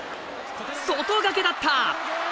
外掛けだった。